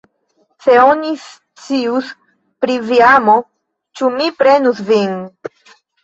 Se mi scius pri via amo, ĉu mi prenus vin!